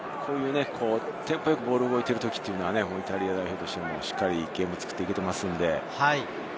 テンポよくボールが動いているときはイタリア代表としても、ゲームを作っていけてますので。